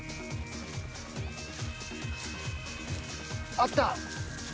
あった。